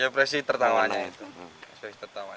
ya presi tertawanya